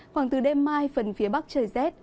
khoảng từ đêm mai phần phía bắc trời rét